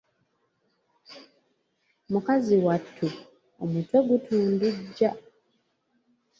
Mukazi wattu omutwe gutundujja.